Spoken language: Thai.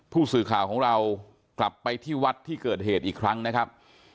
ผู้สื่อข่าวของเรากลับไปที่วัดที่เกิดเหตุอีกครั้งนะครับ